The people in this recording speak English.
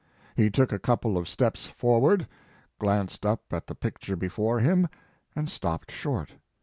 He took a couple of steps forward, glanced up at the picture before him and stopped short.